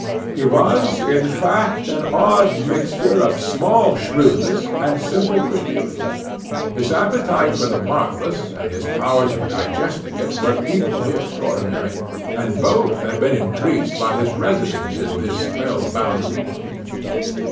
He was, in fact, an odd mixture of small shrewdness and simple credulity. His appetite for the marvellous, and his powers of digesting it, were equally extraordinary; and both had been increased by his residence in this spell bound region.